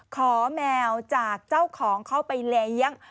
แมวจากเจ้าของเข้าไปเลี้ยง